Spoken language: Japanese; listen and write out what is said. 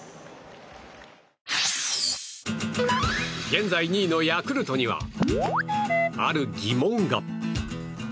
現在２位のヤクルトにはある疑問が。